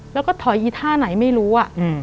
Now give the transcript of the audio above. แล้วก็ถอยอีท่าไหนไม่รู้อ่ะ